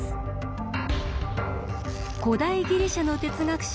古代ギリシャの哲学者